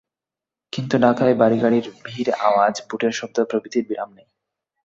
কিন্তু ঢাকায় ভারী গাড়ির ধীর আওয়াজ, বুটের শব্দ প্রভৃতির বিরাম নেই।